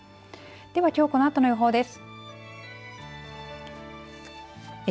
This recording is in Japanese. ではきょうこのあとの予報です。